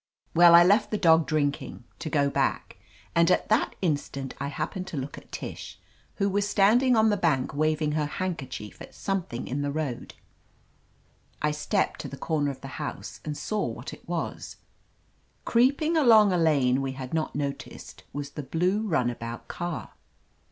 Well, I left the dog drinking, to go back, and at that instant I happened to look at Tish, who was standing on the bank waving her hand kerchief at something in the road. I stepped to the comer of the house and saw what it was — creeping along a lane we had not noticed was the blue runabout car.